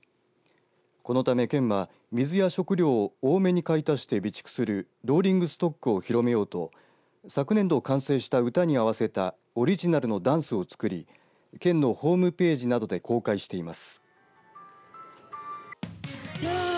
このため県は水や食料を多めに買い足して備蓄するローリングストックを広めようと昨年度、完成した歌に合わせたオリジナルダンスを作り県のホームページなどで公開しています。